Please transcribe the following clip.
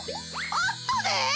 あったで！